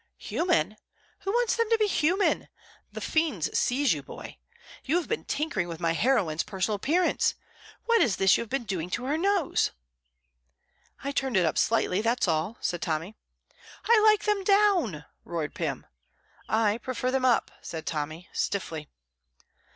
"Human! who wants them to be human? The fiends seize you, boy! you have even been tinkering with my heroine's personal appearance; what is this you have been doing to her nose?" "I turned it up slightly, that's all," said Tommy. "I like them down," roared Pym. "I prefer them up," said Tommy, stiffly.